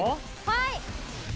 はい。